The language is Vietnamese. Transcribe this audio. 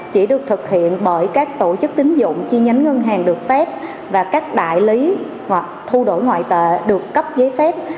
chỉ được thực hiện bởi các tổ chức tính dụng chi nhánh ngân hàng được phép và các đại lý hoặc thu đổi ngoại tệ được cấp giấy phép